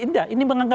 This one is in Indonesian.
nah ini bermisal misal